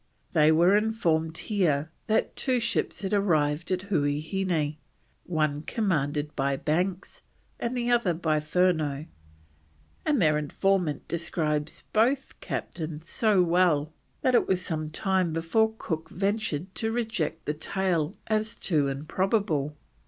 They were informed here that two ships had arrived at Huaheine, one commanded by Banks, and the other by Furneaux, and their informant describes both Captains so well that it was some time before Cook ventured to reject the tale as too improbable.